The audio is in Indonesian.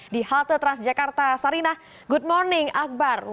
di halte transjakarta sarinah good morning akbar